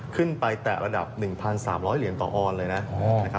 ตั้งแต่ระดับ๑๓๐๐เหรียญต่อออนด์เลยนะ